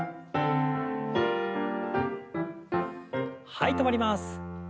はい止まります。